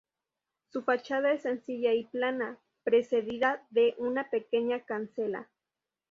Su fachada es sencilla y plana, precedida de una pequeña cancela.